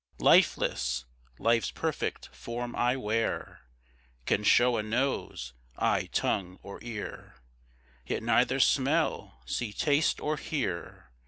Lifeless, life's perfect form I wear, Can show a nose, eye, tongue, or ear, Yet neither smell, see, taste, or hear.